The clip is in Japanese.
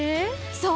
そう！